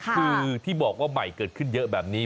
คือที่บอกว่าใหม่เกิดขึ้นเยอะแบบนี้